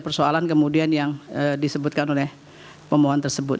persoalan kemudian yang disebutkan oleh pemohon tersebut